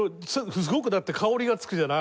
すごくだって香りがつくじゃない？